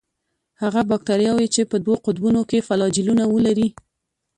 هغه باکتریاوې چې په دوو قطبونو کې فلاجیلونه ولري.